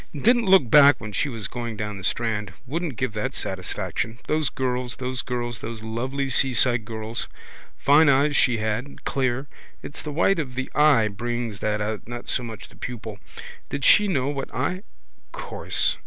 Didn't look back when she was going down the strand. Wouldn't give that satisfaction. Those girls, those girls, those lovely seaside girls. Fine eyes she had, clear. It's the white of the eye brings that out not so much the pupil. Did she know what I? Course.